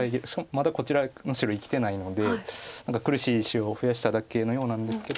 まだこちらの白生きてないので苦しい石を増やしただけのようなんですけど。